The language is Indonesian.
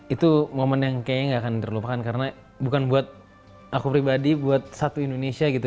itu momen yang kayaknya gak akan terlupakan karena bukan buat aku pribadi buat satu indonesia gitu